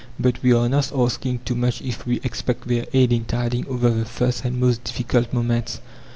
But we are not asking too much if we expect their aid in tiding over the first and most difficult moments.